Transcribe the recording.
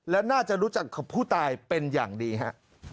และน่าจะรู้จักกับผู้ตายเป็นอย่างดีฮะ